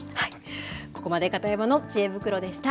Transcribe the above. ここまで、片山のちえ袋でした。